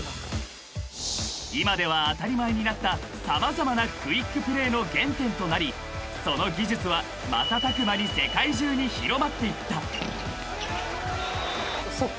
［今では当たり前になった様々なクイックプレーの原点となりその技術は瞬く間に世界中に広まっていった］